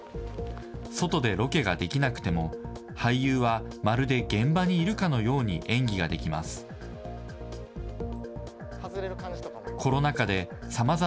外でロケができなくても、俳優はまるで現場にいるかのように演技ができます。